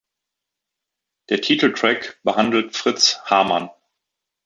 Der Titeltrack behandelt Fritz Haarmann.